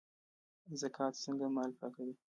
زکات څنګه مال پاکوي؟